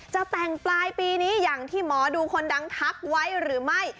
จะแต่งปลายปีนี้อย่างที่หมอดูคนดังทักไว้หรือไม่